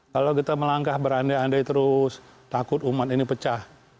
kalau kita melangkah berandai andai terus takut umat ini pecah